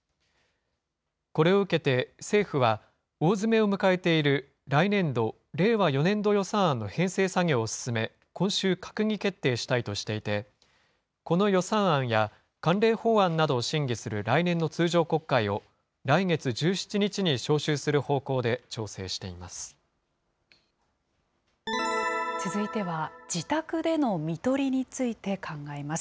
これを受けて政府は、大詰めを迎えている来年度・令和４年度予算案の編成作業を進め、今週閣議決定したいとしていて、この予算案や関連法案などを審議する来年の通常国会を、来月１７日に召集する方向で調整しています。